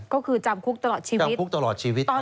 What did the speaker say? ก็คือจำคุกตลอดชีวิตติดคุกตลอดชีวิต